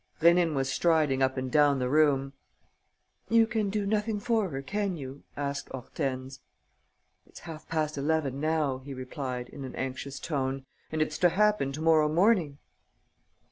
Rénine was striding up and down the room. "You can do nothing for her, can you?" asked Hortense. "It's half past eleven now," he replied, in an anxious tone, "and it's to happen to morrow morning."